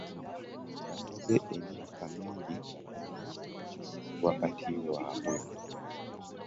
Bamaze emyaka mingi nga balina ebizibu wakati waabwe.